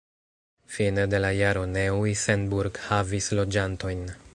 Fine de la jaro Neu-Isenburg havis loĝantojn.